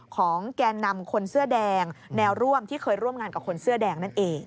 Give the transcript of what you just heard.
แก่นำคนเสื้อแดงแนวร่วมที่เคยร่วมงานกับคนเสื้อแดงนั่นเอง